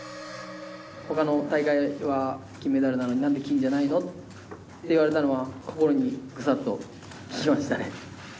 ほかの大会は金メダルなのに、なんで金じゃないの？って言われたのは、心にぐさっときましたね。